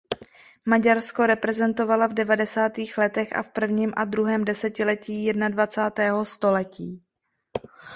Maďarsko reprezentovala v devadesátých letech a v prvním a druhém desetiletí jednadvacátého století.